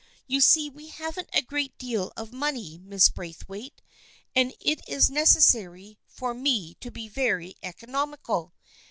You see we haven't a great deal of money, Mrs. Braithwaite, and it is necessary for me to be very economical.